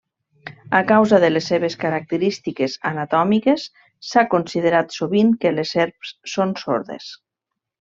A causa de les seves característiques anatòmiques, s'ha considerat sovint que les serps són sordes.